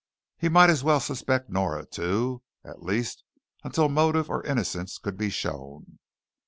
He might as well suspect Nora, too. At least until motive or innocence could be shown.